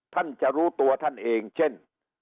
ท่านจะรู้ตัวท่านเองเช่น